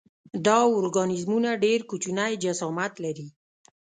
دا ارګانیزمونه ډېر کوچنی جسامت لري.